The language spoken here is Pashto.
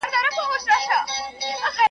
څه اميد به څــــوک وده تـــه د رحمـــت کړي